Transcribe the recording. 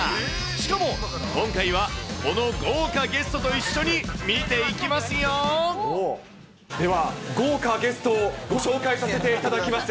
しかも今回は、この豪華ゲストとでは、豪華ゲストをご紹介させていただきます。